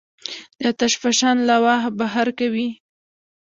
د آتش فشان لاوا بهر کوي.